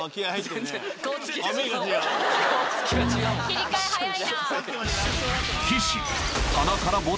切り替え早いなぁ。